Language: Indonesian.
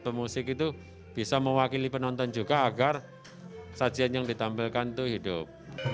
pemusik itu bisa mewakili penonton juga agar sajian yang ditampilkan itu hidup